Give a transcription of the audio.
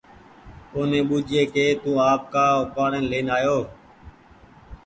اوني ٻوجهيي ڪي تو آپ ڪآ اُپآڙين لين آيو